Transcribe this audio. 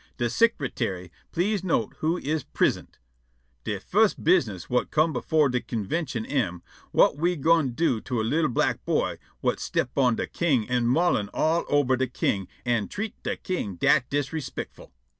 De sicretary please note who is prisint. De firs' business whut come' before de convintion am: whut we gwine do to a li'l' black boy whut stip' on de king an' maul' all ober de king an' treat' de king dat disrespictful'."